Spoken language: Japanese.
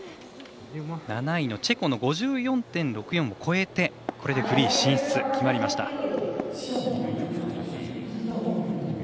７位のチェコの５４．６４を超えてこれでフリー進出決まりました。